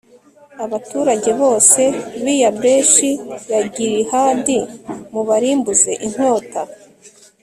abaturage bose b'i yabeshi ya gilihadi mubarimbuze inkota